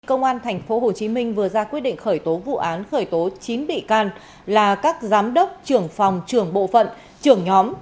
công an tp hcm vừa ra quyết định khởi tố vụ án khởi tố chín bị can là các giám đốc trưởng phòng trưởng bộ phận trưởng nhóm